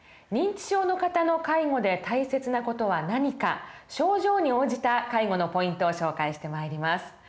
認知症の方の介護で大切な事は何か症状に応じた介護のポイントを紹介してまいります。